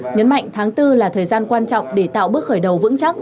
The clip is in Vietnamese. nhấn mạnh tháng bốn là thời gian quan trọng để tạo bước khởi đầu vững chắc